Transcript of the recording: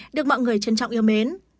được mọi người trân trọng yêu mến